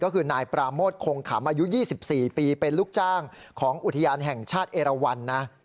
ก็คือนายปราโมทคงขำอายุ๒๔ปีเป็นลูกจ้างของอุทยานแห่งชาติเอราวันนะ